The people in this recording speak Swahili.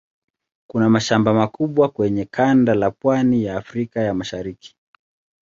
Kuna mashamba makubwa kwenye kanda la pwani ya Afrika ya Mashariki.